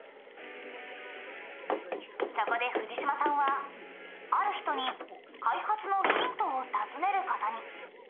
「そこで藤島さんはある人に開発のヒントを尋ねることに」